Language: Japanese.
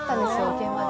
現場で。